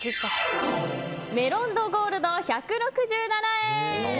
メロンド・ゴールド、１６７円。